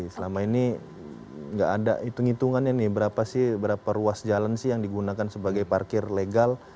selama ini nggak ada hitung hitungannya nih berapa sih berapa ruas jalan sih yang digunakan sebagai parkir legal